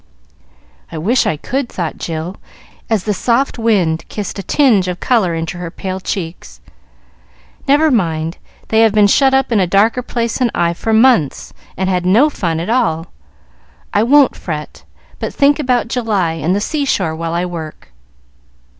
"I wish I could!" thought Jill, as the soft wind kissed a tinge of color into her pale cheeks. "Never mind, they have been shut up in a darker place than I for months, and had no fun at all; I won't fret, but think about July and the seashore while I work."